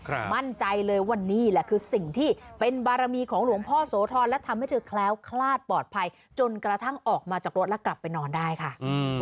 มั่นใจเลยว่านี่แหละคือสิ่งที่เป็นบารมีของหลวงพ่อโสธรและทำให้เธอแคล้วคลาดปลอดภัยจนกระทั่งออกมาจากรถแล้วกลับไปนอนได้ค่ะอืม